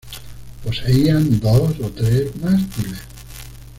Poseían dos o tres mástiles.